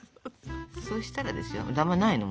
そしたらですよダマないの？